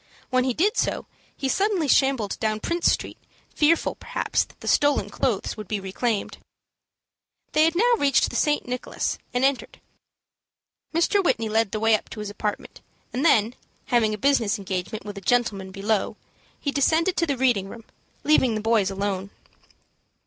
When he did so, he suddenly shambled down Prince Street, fearful, perhaps, that the stolen clothes would be reclaimed. They had now reached the St. Nicholas, and entered. Mr. Whitney led the way up to his apartment, and then, having a business engagement with a gentleman below, he descended to the reading room, leaving the boys alone.